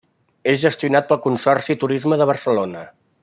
És gestionat pel consorci Turisme de Barcelona.